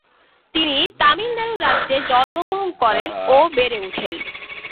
তিনি তামিলনাড়ু রাজ্যে জন্মগ্রহণ করেন ও বেড়ে ওঠেন।